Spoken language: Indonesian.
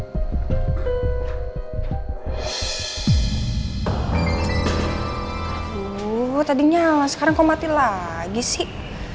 aduh tadi nyala sekarang kau mati lagi sih